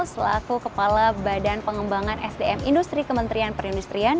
selaku kepala badan pengembangan sdm industri kementerian perindustrian